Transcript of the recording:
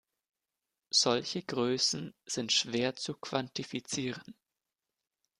Solche Größen sind schwer zu quantifizieren.